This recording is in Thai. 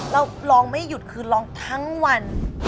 เราร้องไม่หยุดคือร้องทั้งวัน